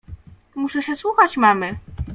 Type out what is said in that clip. Muszę się słuchać mamy.